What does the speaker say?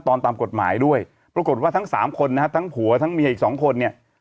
ตอนตามกฎหมายด้วยปรากฏว่าทั้ง๓คนนะครับทั้งผัวทั้งเมียอีก๒คนเนี่ย